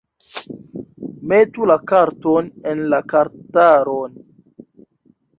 Metu la karton en la kartaron